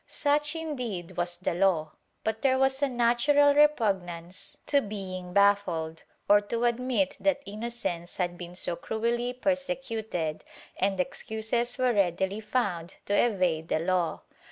^ Such, indeed, was the law, but there was a natural repugnance to being baffled, or to admit that innocence had been so cruelly persecuted, and excuses were readily found to evade the law.